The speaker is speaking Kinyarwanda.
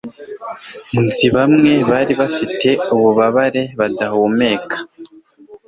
nzi bamwe bari bafite ububabare budahumeka